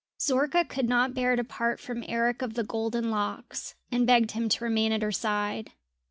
Zorka could not bear to part from Eric of the golden locks, and begged him to remain at her side.